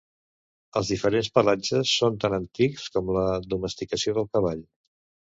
Els diferents pelatges són tan antics com la domesticació del cavall.